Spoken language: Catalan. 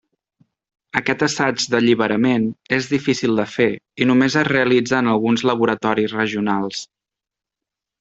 Aquest assaig d'alliberament és difícil de fer i només es realitza en alguns laboratoris regionals.